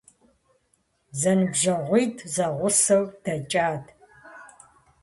Зэныбжьэгъуитӏу зэгъусэу дэкӏат.